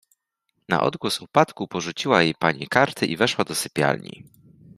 Na odgłos upadku porzuciła jej pani karty i weszła do sypialni.